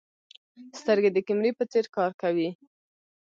سترګې د کیمرې په څېر کار کوي.